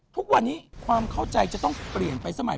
ทุกวันนี้ความเข้าใจจะต้องเปลี่ยนไปสมัย